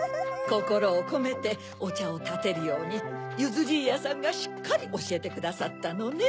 こころをこめておちゃをたてるようにゆずじいやさんがしっかりおしえてくださったのね。